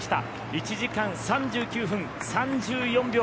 １時間３９分３４秒。